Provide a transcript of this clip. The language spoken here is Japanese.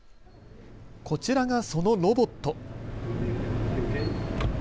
こちらがそのロボット。